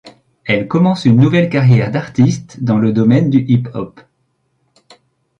Elle commence une nouvelle carrière d'artiste dans le domaine du hip-hop.